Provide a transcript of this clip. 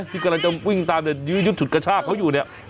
ที่กำลังจะวิ่งตามยุ่นฉุดกระชากเขาอยู่เนี่ย